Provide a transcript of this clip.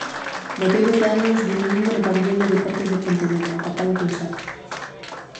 "Botei doce anos durmindo no pavillón de deportes de Pontevedra, tapado cun saco".